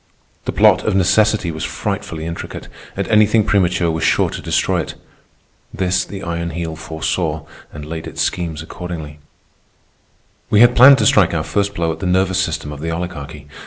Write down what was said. The plot of necessity was frightfully intricate, and anything premature was sure to destroy it. This the Iron Heel foresaw and laid its schemes accordingly. We had planned to strike our first blow at the nervous system of the Oligarchy.